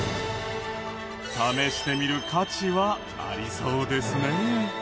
試してみる価値はありそうですね。